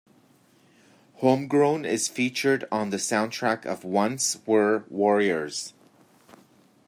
"Homegrown" is featured on the soundtrack of "Once Were Warriors".